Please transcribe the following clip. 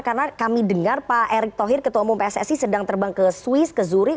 karena kami dengar pak erick thohir ketua umum pssi sedang terbang ke swiss ke zurich